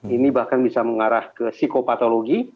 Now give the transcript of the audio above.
ini bahkan bisa mengarah ke psikopatologi